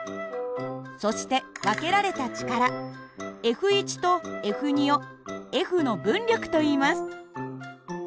そして分けられた力ＦとＦをＦの分力といいます。